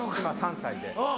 今３歳で。